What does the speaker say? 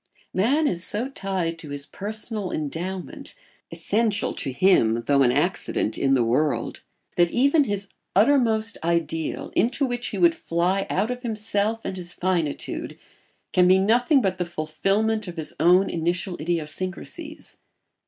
Man is so tied to his personal endowment (essential to him though an accident in the world) that even his uttermost ideal, into which he would fly out of himself and his finitude, can be nothing but the fulfilment of his own initial idiosyncrasies.